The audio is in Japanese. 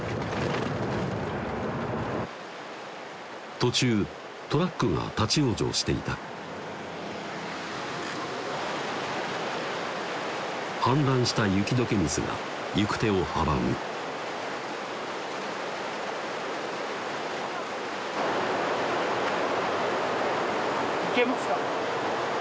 途中トラックが立ち往生していた氾濫した雪解け水が行く手を阻む行けますか？